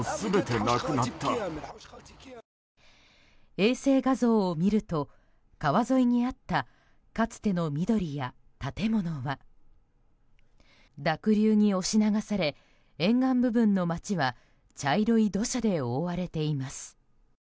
衛星画像を見ると川沿いにあったかつての緑や建物は濁流に押し流され沿岸部分の町は茶色い土砂で覆われています。